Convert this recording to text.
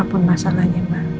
apapun masalahnya mama